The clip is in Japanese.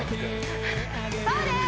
そうです